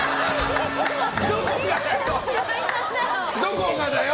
どこがだよ！